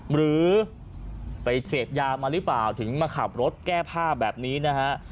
หรือไปเสพยามาหรือเปล่าถึงมาขับรถแก้ผ้าแบบนี้นะฮะ